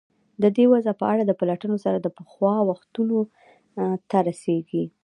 د دې وضع په اړه د پلټنو سر د پخوا وختونو ته رسېږي.